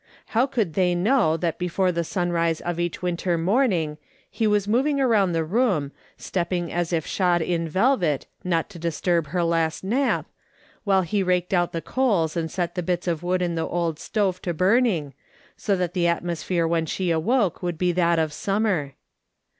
How could they know that before the sunrise of each winter morning he was moving around the room^ stepping as if shod in velvet, not to disturb her last nap, while he raked out the coals and set the bits of wood in the old stove to burning, so that the atmo sphere when she awoke would be that of summer